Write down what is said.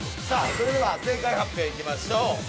それでは、正解発表行きましょう。